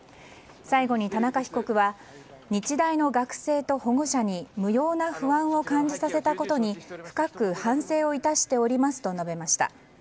最後に田中被告は日大の学生と保護者に無用な不安を感じさせたことに深く反省を致しておりますと述べました。